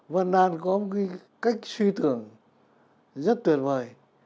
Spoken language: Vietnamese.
vân đan có một cái cách suy tưởng rất tuyệt vời